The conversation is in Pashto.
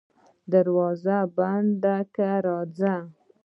دروازه بنده که راځه.